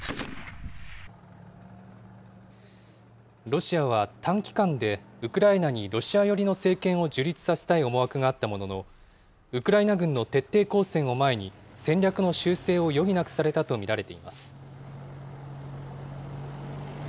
ロシアは短期間で、ウクライナにロシア寄りの政権を樹立させたい思惑があったものの、ウクライナ軍の徹底抗戦を前に、戦略の修正を余儀なくされたと見られています。